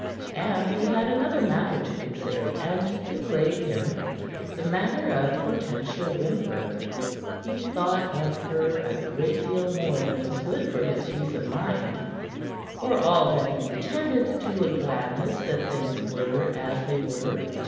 And he had another matter to consider and to plague him the matter of Hortensia Winthrop. He thought of her a great deal more than was good for his peace of mind, for all that he pretended to a gladness that things were as they were.